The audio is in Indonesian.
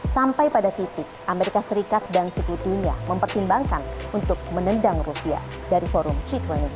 sampai pada titik amerika serikat dan seputinya mempertimbangkan untuk menendang rusia dari forum g dua puluh